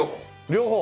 両方。